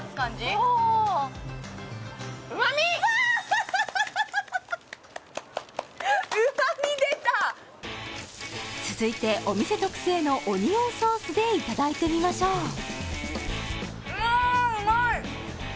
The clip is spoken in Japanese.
そう続いてお店特製のオニオンソースでいただいてみましょううわ